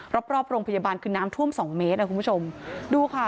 รอบรอบโรงพยาบาลคือน้ำท่วมสองเมตรอ่ะคุณผู้ชมดูค่ะ